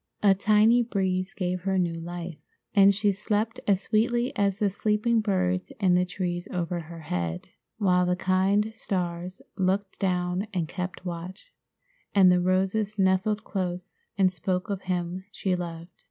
A tiny breeze gave her new life, and she slept as sweetly as the sleeping birds in the trees over her head, while the kind stars looked down and kept watch, and the roses nestled close and spoke of him she loved.